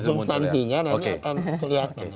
substansinya nanti akan kelihatan